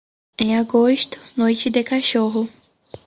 Em agosto, noite de cachorro.